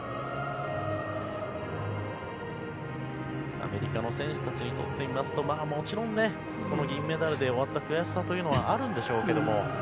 アメリカの選手たちにとってみますともちろんこの銀メダルで終わった悔しさというのはあるんでしょうけれども。